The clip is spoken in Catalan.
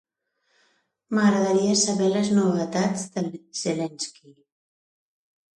M'agradaria saber les novetats de Zelenski.